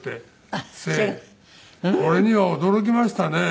これには驚きましたね。